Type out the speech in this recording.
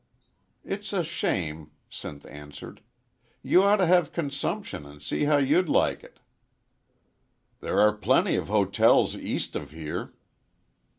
"It's a shame," Sinth answered. "You oughto hev consumption an' see how you'd like it." "There are plenty of hotels east of here."